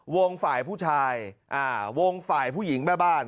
ฝ่ายผู้ชายวงฝ่ายผู้หญิงแม่บ้าน